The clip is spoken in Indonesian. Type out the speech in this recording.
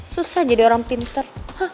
susah jadi orang pinter